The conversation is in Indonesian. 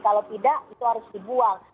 kalau tidak itu harus dibuang